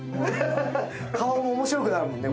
顔も面白くなるもんね。